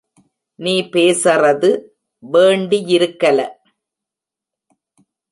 நீ பேசறது வேண்டியிருக்கலெ.